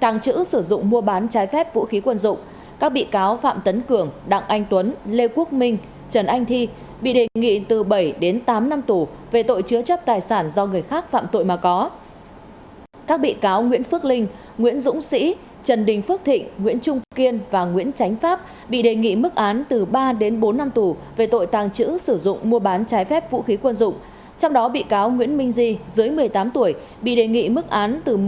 nhóm bị cáo là họ hàng của lê quốc tuấn bị đề nghị từ hai đến bốn năm tù về tội che giấu tội phạm